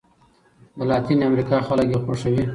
د لاتیني امریکا خلک یې خوښوي.